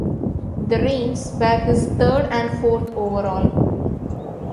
The reigns were his third and fourth overall.